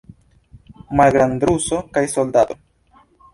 Malgrandruso kaj soldato.